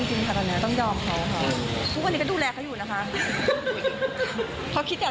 จริงต้องถ่ายนะเพราะเขาไม่เห็นว่าจะดูแลอะไรเลย